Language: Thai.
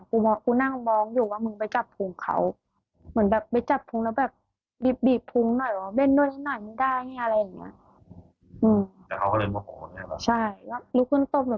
กูนั่งมองดูว่ามึงไปจับพุงเค้าเหมือนแบบไปจับพุงแล้วแบบบีบพุงหน่อยบอกว่าเล่นด้วยนิดหน่อยไม่ได้เนี่ยอะไรแบบนี้